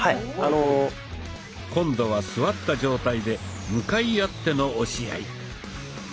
今度は座った状態で向かい合っての押し合い。